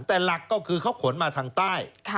แต่หลักก็คือเขาขนมาทางใต้